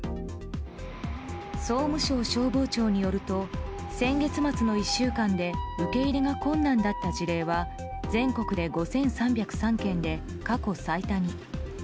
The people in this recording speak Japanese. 総務省消防庁によると先月末の１週間で受け入れが困難だった事例は全国で５３０３件で過去最多に。